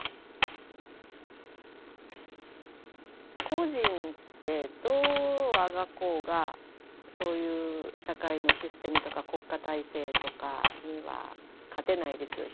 個人ってどうあがこうがそういう社会のシステムとか国家体制とかには勝てないですよ。